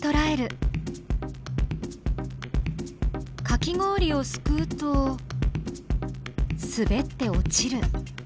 かき氷をすくうとすべって落ちる。